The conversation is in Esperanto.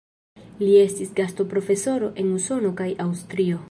Li estis gastoprofesoro en Usono kaj Aŭstrio.